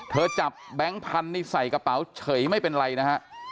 จับแบงค์พันธุ์นี่ใส่กระเป๋าเฉยไม่เป็นไรนะฮะ